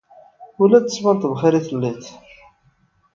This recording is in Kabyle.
Ur la d-tettbaneḍ bxir i telliḍ.